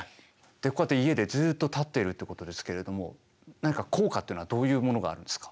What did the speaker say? でこうやって家でずっと立っているってことですけれども何か効果っていうのはどういうものがあるんですか？